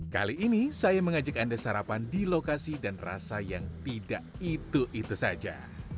kali ini saya mengajak anda sarapan di lokasi dan rasa yang tidak itu itu saja